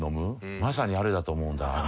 まさにあれだと思うんだぁみ